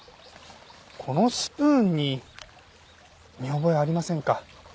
このスプーンに見覚えありませんか？